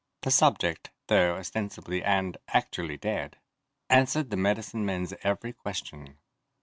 The subject, though ostensibly and actually dead, answered the medicine men's every question.